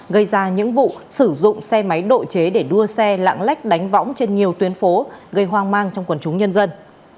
gây ra những vụ sử dụng xe máy độ chế để đua xe lạng lách đánh võng trên nhiều tuyến phố gây hoang mang trong quần chúng nhân dân